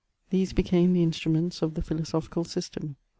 These became the instruments of the philoso phical system.